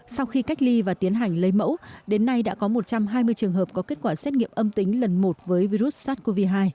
sau khi cách ly và tiến hành lấy mẫu đến nay đã có một trăm hai mươi trường hợp có kết quả xét nghiệm âm tính lần một với virus sars cov hai